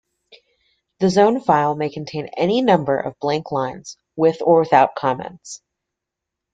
The zone file may contain any number of blank lines with or without comments.